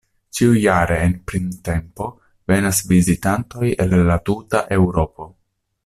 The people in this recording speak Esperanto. Ĉiujare en printempo venas vizitantoj el la tuta Eŭropo.